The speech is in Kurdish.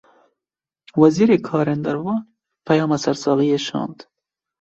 Wezîrê karên derve, peyama sersaxiyê şand